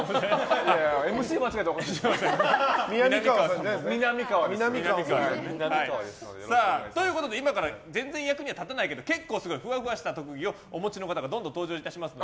ＭＣ間違えたらおかしいだろ。ということで今から全然役には立たないけど結構すごいふわふわした特技をお持ちの方がどんどん登場いたします。